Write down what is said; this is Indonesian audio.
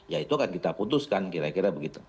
ya itu akan kita putuskan kira kira begitu